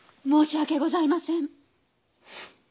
申し訳ございません。